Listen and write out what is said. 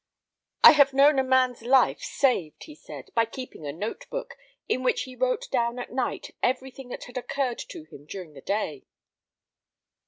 "I have known a man's life saved," he said, "by keeping a note book, in which he wrote down at night everything that had occurred to him during the day."